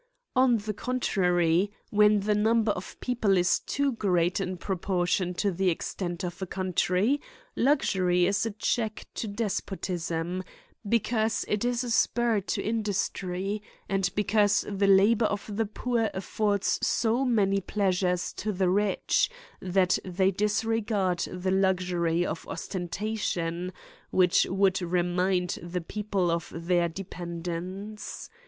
On the contrary, when the number of people is too great in proportion to the extent of a country, luxury is a check to despotism ; because it is a spur to industry, and because the labour of the poor af fords so many pleasures to the rich, that they dis regard the luxury of ostentation, which would re mind the people of their dependence.